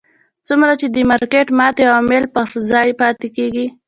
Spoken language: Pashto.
څومره چې د مارکېټ ماتې عوامل پر ځای پاتې کېږي.